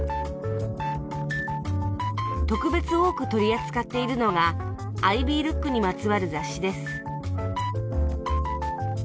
特別多く取り扱っているのがアイビールックにまつわる雑誌です